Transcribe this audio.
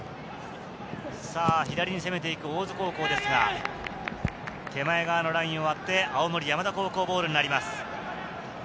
左に攻めて行く大津高校ですが、手前側のラインを割って、青森山田高校ボールになります。